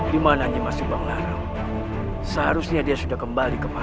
dimananya masih banglar seharusnya dia sudah kembali ke pari